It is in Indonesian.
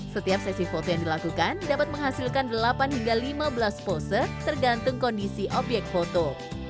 setiap sesi foto yang dilakukan dapat menghasilkan delapan hingga lima belas pose tergantung kondisi obyek foto